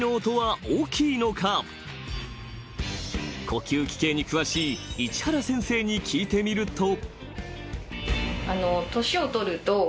［呼吸器系に詳しい市原先生に聞いてみると］